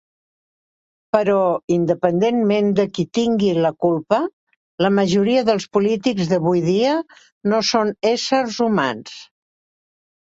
Però, independentment de qui tingui la culpa, la majoria dels polítics d'avui dia no són éssers humans.